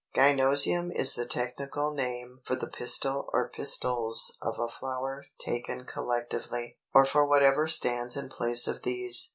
300. =Gynœcium= is the technical name for the pistil or pistils of a flower taken collectively, or for whatever stands in place of these.